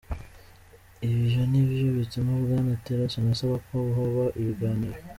Ivyo ni vyo bituma Bwana Tillerson asaba ko hoba ibiganiro.